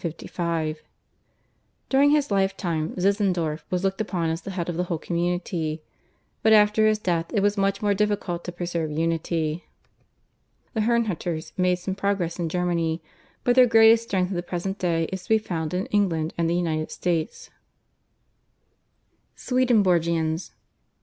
During his lifetime Zinzendorf was looked upon as the head of the whole community, but after his death it was much more difficult to preserve unity. The Herrnhuters made some progress in Germany, but their greatest strength at the present day is to be found in England and the United States. /Swedenborgians